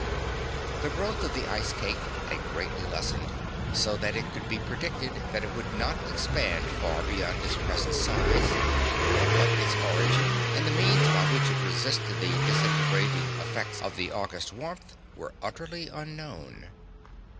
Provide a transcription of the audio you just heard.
The growth of the ice cake had greatly lessened, so that it could be predicted that it would not expand far beyond its present size, but its origin and the means by which it resisted the disintegrating effect of the August warmth were utterly unknown.